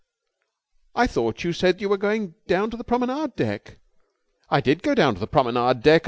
"I thought you said you were going down to the Promenade Deck." "I did go down to the promenade deck.